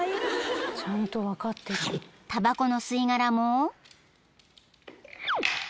［たばこの吸い殻も］